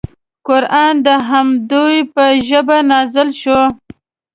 قران د همدوی په ژبه نازل شوی.